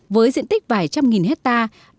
với diện tích vài trăm nghìn hectare